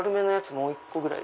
もう１個ぐらい。